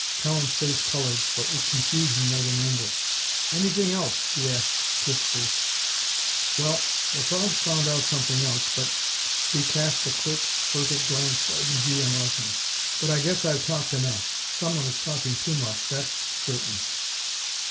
Cowan's face colored, but with confusion more than anger. "Anything else?" he asked crisply. "Well the Frogs found out something else, but," he cast a quick, furtive glance at McGee and Larkin, "but I guess I've talked enough. Someone is talking too much, that's certain."